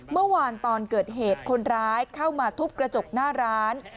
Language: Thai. เมื่อวานตอนเกิดเหตุคนร้ายเข้ามาทุบกระจกหน้าร้าน